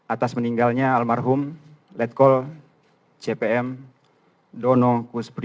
atas meninggalnya almarhum letkol cpm dono kus prianto